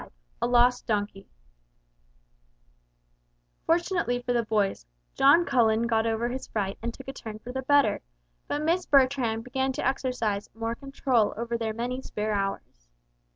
V A LOST DONKEY Fortunately for the boys, John Cullen got over his fright and took a turn for the better, but Miss Bertram began to exercise more control over their many spare hours.